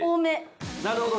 ◆なるほど。